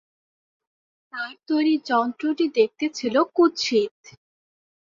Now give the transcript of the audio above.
তার তৈরি যন্ত্রটি দেখতে ছিলো কুৎসিত।